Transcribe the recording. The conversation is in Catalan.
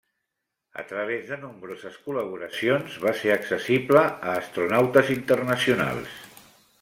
A través de nombroses col·laboracions, va ser accessible a astronautes internacionals.